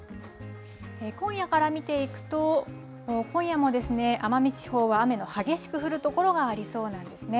今夜から見ていくと今夜もですね奄美地方は雨の激しく降る所がありそうなんですね。